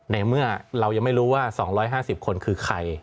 ในเมื่อเรายังไม่รู้ว่า๒๕๐คนคือใคร